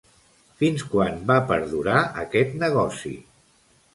Fins quan va perdurar aquest negoci?